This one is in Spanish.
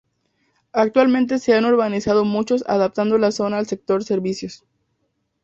Actualmente se ha urbanizado mucho adaptando la zona al sector servicios.